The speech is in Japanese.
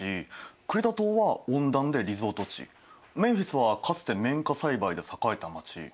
クレタ島は温暖でリゾート地メンフィスはかつて綿花栽培で栄えた街。